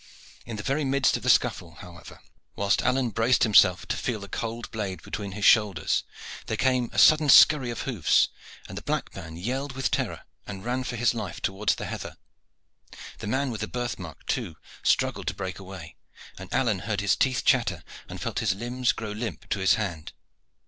In the very midst of the scuffle, however, whilst Alleyne braced himself to feel the cold blade between his shoulders, there came a sudden scurry of hoofs, and the black man yelled with terror and ran for his life through the heather. The man with the birth mark, too, struggled to break away, and Alleyne heard his teeth chatter and felt his limbs grow limp to his hand.